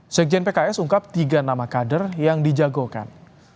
sekjen pks ungkap tiga nama kader yang dijagokan